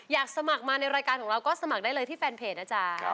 อยากสมัครมาในรายการของเราก็สมัครได้เลยที่แฟนเพจนะจ๊ะ